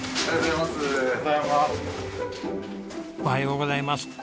おはようございます。